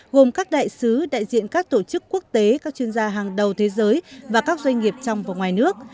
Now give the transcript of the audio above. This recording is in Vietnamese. gồm các đại sứ đại diện các tổ chức quốc tế các chuyên gia hàng đầu thế giới và các doanh nghiệp trong và ngoài nước